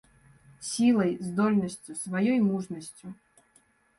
Сілай, здольнасцю, сваёй мужнасцю.